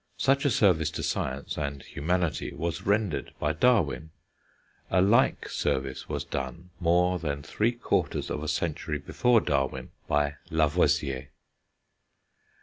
Such a service to science, and humanity, was rendered by Darwin; a like service was done, more than three quarters of a century before Darwin, by Lavoisier.